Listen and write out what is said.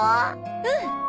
うん。